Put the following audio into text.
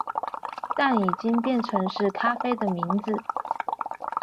但已經變成是咖啡的名字